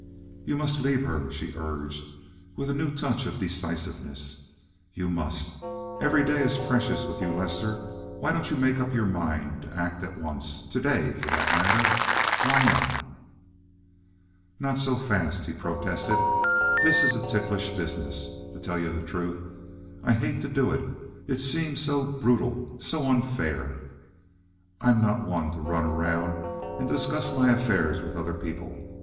"You must leave her," she urged, with a new touch of decisiveness. "You must. Every day is precious with you, Lester! Why don't you make up your mind to act at once—to day, for that matter? Why not?" "Not so fast," he protested. "This is a ticklish business. To tell you the truth, I hate to do it. It seems so brutal—so unfair. I'm not one to run around and discuss my affairs with other people.